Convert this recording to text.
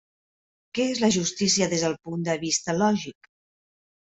Què és la justícia des del punt de vista lògic?